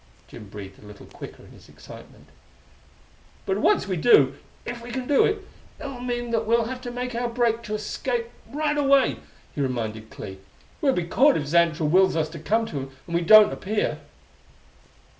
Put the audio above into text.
Jim breathed a little quicker in his excitement. "But once we do it if we can do it it'll mean that we'll have to make our break to escape right away," he reminded Clee. "We'll be caught if Xantra wills us to come to him and we don't appear!"